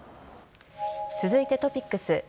続いてトピックス。